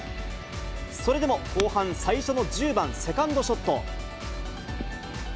それでも、後半最初の１０番、セカンドショット。